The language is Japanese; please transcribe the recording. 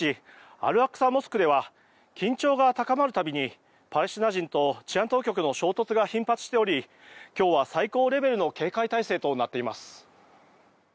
アルアクサモスクでは緊張が高まる度にパレスチナ人と治安当局の衝突が頻発しており今日は最高レベルの警戒態勢となっています。